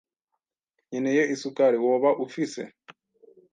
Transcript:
Nkeneye isukari. Woba ufise?